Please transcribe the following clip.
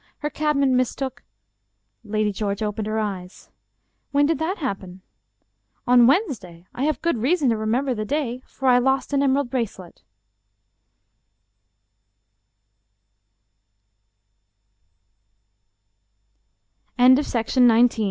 Her cabman mis took " Lady George opened her eyes. " When did that happen? "" On Wednesday. I have good reason to remember the •day, for I lost an emerald bracelet."